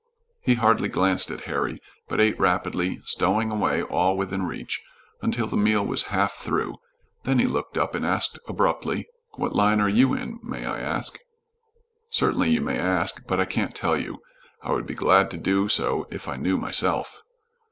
He hardly glanced at Harry, but ate rapidly, stowing away all within reach, until the meal was half through, then he looked up and asked abruptly, "What line are you in, may I ask?" "Certainly you may ask, but I can't tell you. I would be glad to do so if I knew myself."